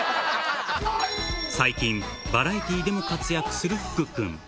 最近、バラエティでも活躍する福君。